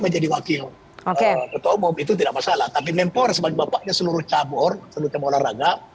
menjadi wakil oke itu tidak masalah tapi mempor sebagai bapaknya seluruh cabur seluruh olahraga